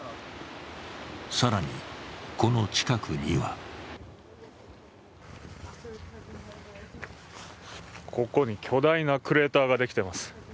更に、この近くにはここに巨大なクレーターができています。